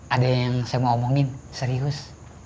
ada yang saya mau omongin serius